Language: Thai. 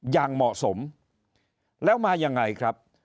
อย่างเหมาะสมแล้วมายังไงครับ